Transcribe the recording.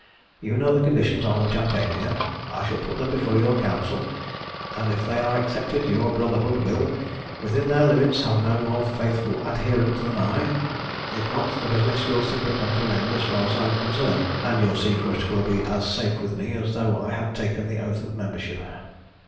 "You know the conditions on which I came here. I shall put them before your Council, and if they are accepted your Brotherhood will, within their limits, have no more faithful adherent than I. If not, the business will simply come to an end as far as I am concerned, and your secret will be as safe with me as though I had taken the oath of membership."